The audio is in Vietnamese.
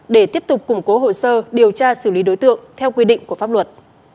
để tiếp tục củng cố hồ sơ điều tra xử lý đối tượng theo quy định của pháp luật